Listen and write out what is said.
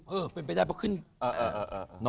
เออเป็นไปได้บอกขึ้นเออ